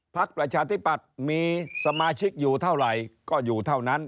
ประชาธิปัตย์มีสมาชิกอยู่เท่าไหร่ก็อยู่เท่านั้น